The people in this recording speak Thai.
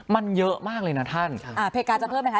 มันเยอะมากเลยนะท่านคฏอ่าเพลงกาเปียบหน่อยนะคะ